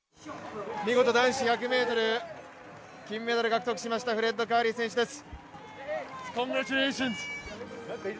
見事、男子１００ｍ金メダル獲得しました、アメリカ、フレッド・カーリー選手です。